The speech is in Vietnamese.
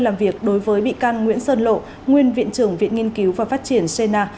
làm việc đối với bị can nguyễn sơn lộ nguyên viện trưởng viện nghiên cứu và phát triển cna